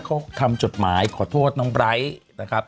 เขาทำจดหมายขอโทษน้องไบร์ทนะครับ